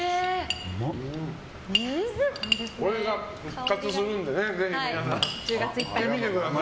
これが復活するのでぜひ皆さん行ってみてください。